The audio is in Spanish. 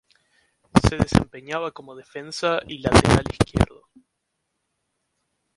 Se desempeñaba como defensa y lateral izquierdo.